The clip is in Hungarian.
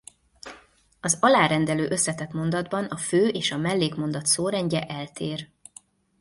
Az alárendelő összetett mondatban a fő- és a mellékmondat szórendje eltér.